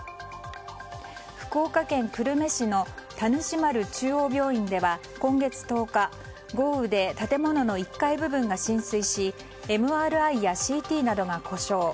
福岡県久留米市の田主丸中央病院では今月１０日、豪雨で建物の１階部分が浸水しＭＲＩやＣＴなどが故障。